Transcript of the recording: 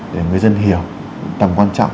để người dân hiểu tầm quan trọng